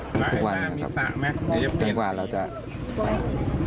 ที่เจอกระดูกแมวคืออยากไปขออนุญาตเขาก่อนทีนี้